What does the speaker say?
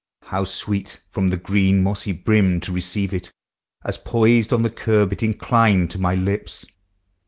How sweet from the green mossy brim to receive it, As, poised on the curb, it inclined to my lips!